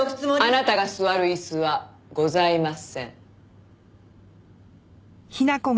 あなたが座る椅子はございません。